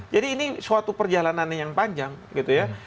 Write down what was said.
jadi ini suatu perjalanan yang panjang gitu ya